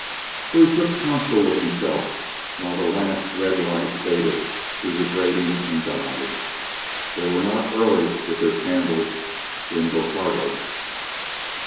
So he took counsel with himself while the last red light faded through the grating and died. They were not early with their candles in Bocardo.